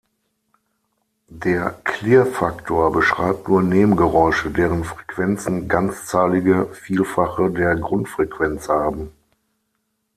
Der Klirrfaktor beschreibt nur „Nebengeräusche“, deren Frequenzen ganzzahlige Vielfache der Grundfrequenz haben.